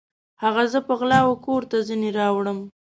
هغه زه په غلا وکور ته ځیني راوړم